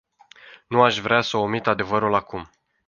Nu aș vrea să omit adevărul acum.